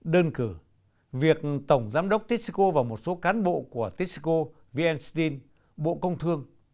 đơn cử việc tổng giám đốc texaco và một số cán bộ của texaco vn steel bộ công thương